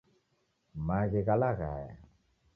Maghi ghalaghaya